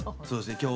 そうですね。